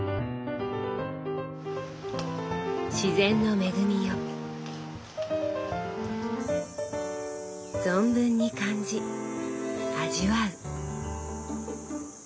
自然の恵みを存分に感じ味わう。